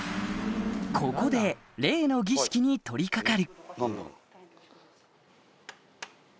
ここで例の儀式に取り掛かる